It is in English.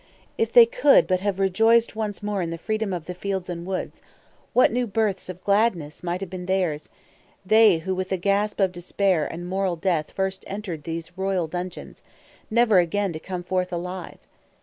If they could but have rejoiced once more in the freedom of the fields and woods, what new births of gladness might have been theirs, they who with a gasp of despair and moral death first entered those royal dungeons, never again to come forth alive!